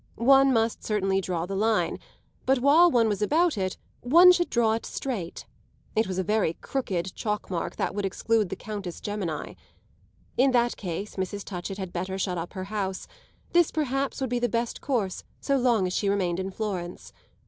One must certainly draw the line, but while one was about it one should draw it straight: it was a very crooked chalk mark that would exclude the Countess Gemini. In that case Mrs. Touchett had better shut up her house; this perhaps would be the best course so long as she remained in Florence.